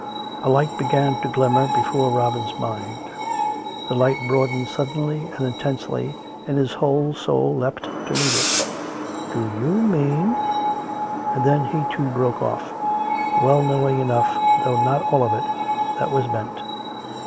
A light began to glimmer before Robin's mind; the light broadened suddenly and intensely, and his whole soul leapt to meet it. COME RACK! COME ROPE! Ill " Do you mean ?" And then he, too, broke off, well knowing enough, though not all of, what was meant.